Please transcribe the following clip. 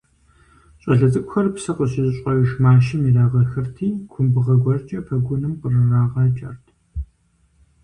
Щӏалэ цӏыкӏухэр псы къыщыщӏэж мащэм ирагъэхырти, кумбыгъэ гуэркӏэ пэгуным кърырагъакӏэрт.